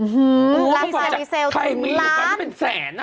ฮือราคารีเซลถึงล้าน